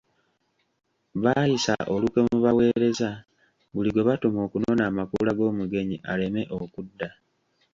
Baayisa olukwe mu baweereza buli gwe batuma okunona amakula g'omugenyi aleme okudda.